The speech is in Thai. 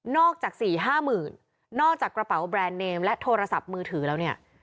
จากสี่ห้าหมื่นนอกจากกระเป๋าแบรนด์เนมและโทรศัพท์มือถือแล้วเนี่ย